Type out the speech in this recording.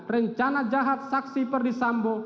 rencana jahat saksi perdisambo